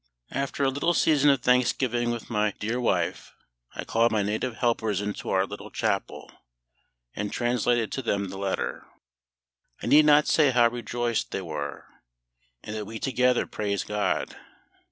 After a little season of thanksgiving with my dear wife, I called my native helpers into our little chapel, and translated to them the letter. I need not say how rejoiced they were, and that we together praised GOD.